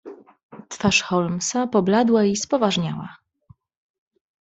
"Twarz Holmesa pobladła i spoważniała."